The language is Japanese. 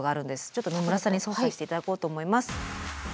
ちょっと野村さんに操作して頂こうと思います。